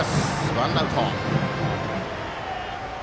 ワンアウト。